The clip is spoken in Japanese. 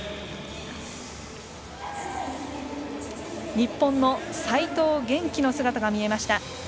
日本の齋藤元希の姿が見えました。